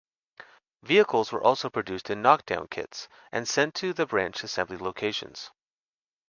Vehicles were also produced in "knock-down" kits and sent to the branch assembly locations.